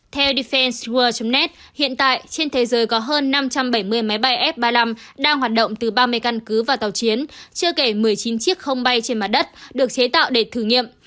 theo defan sworldet hiện tại trên thế giới có hơn năm trăm bảy mươi máy bay f ba mươi năm đang hoạt động từ ba mươi căn cứ vào tàu chiến chưa kể một mươi chín chiếc không bay trên mặt đất được chế tạo để thử nghiệm